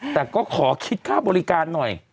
แต่ก็ขอคิดค่าบริการหน่อย